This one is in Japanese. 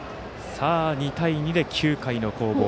２対２で９回の攻防。